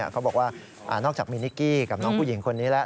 เขาบอกว่านอกจากมีนิกกี้กับน้องผู้หญิงคนนี้แล้ว